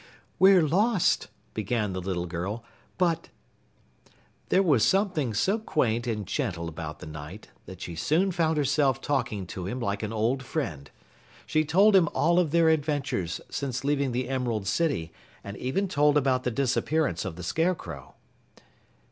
"We're lost," began the little girl, "but " There was something so quaint and gentle about the Knight, that she soon found herself talking to him like an old friend. She told him all of their adventures since leaving the Emerald City and even told about the disappearance of the Scarecrow.